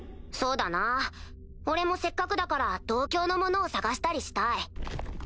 そうだな俺もせっかくだから同郷の者を捜したりしたい。